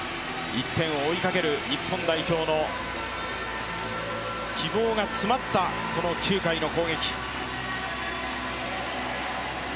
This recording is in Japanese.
１点を追いかける日本代表の希望が詰まったこの９回の攻撃。